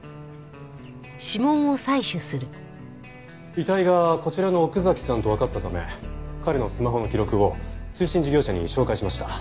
遺体がこちらの奥崎さんとわかったため彼のスマホの記録を通信事業者に照会しました。